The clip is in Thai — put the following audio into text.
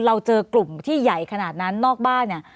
เราเจอกลุ่มที่ใหญ่ขนาดนั้นนอกบ้านเนี่ย